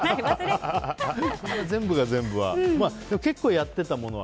全部が全部は。